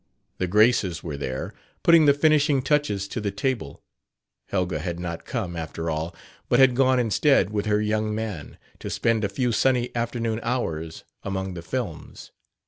The Graces were there, putting the finishing touches to the table Helga had not come, after all, but had gone instead, with her young man, to spend a few sunny afternoon hours among the films.